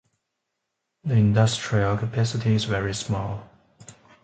The industrial capacity is very small.